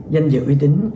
danh dự uy tín